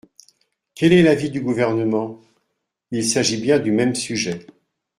Quel est l’avis du Gouvernement ? Il s’agit bien du même sujet.